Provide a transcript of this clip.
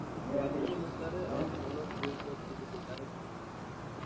Cuatro años más tarde abandonó los estudios por dificultades económicas.